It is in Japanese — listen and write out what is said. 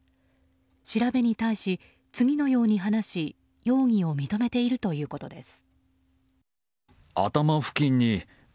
調べに対し、次のように話し容疑を認めているということです。